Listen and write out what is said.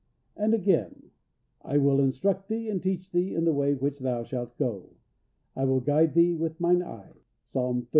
And again, "I will instruct thee and teach thee in the way which thou shalt go: I will guide thee with Mine eye" (Psalm xxxii.